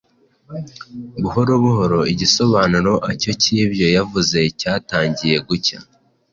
Buhoro buhoro igisobanuro acyo cyibyo yavuze cyatangiye gucya.